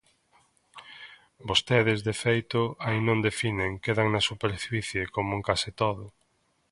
Vostedes, de feito, aí non definen, quedan na superficie, como en case todo.